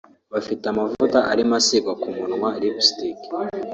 Bafite amavuta arimo asigwa ku munwa (lipstick)